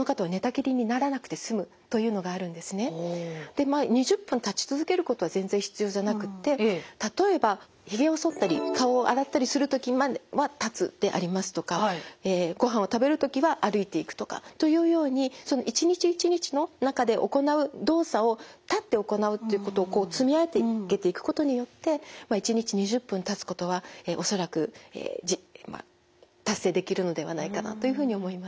でまあ２０分立ち続けることは全然必要じゃなくって例えばひげをそったり顔を洗ったりするときまでは立つでありますとかごはんを食べるときは歩いていくとかというようにその一日一日の中で行う動作を立って行うっていうことをこう積み上げていくことによって１日２０分立つことは恐らく達成できるのではないかなというふうに思います。